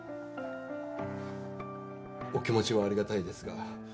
お気持ちはありがたいですが。